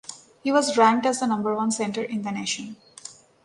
He was ranked as the number one center in the nation.